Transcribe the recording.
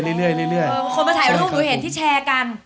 คนมาถ่ายรูปหนูเห็นที่แชร์กัน